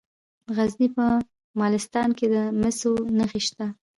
د غزني په مالستان کې د مسو نښې شته.